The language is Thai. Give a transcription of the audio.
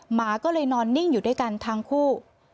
หมาก็เลยนอนนิ่งอยู่ด้วยกันทั้งคู่